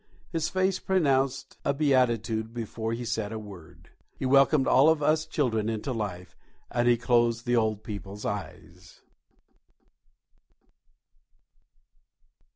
His face pronounced a beatitude before he said a word. He welcomed all of us children into life, and he closed the old people's eyes.